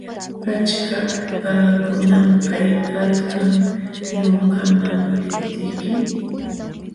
Achka qaqakunam kaykalkan yunkaman liptiyki.